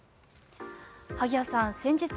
萩谷さん